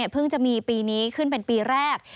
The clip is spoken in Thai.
จะมีปีนี้ขึ้นเป็นปีแรก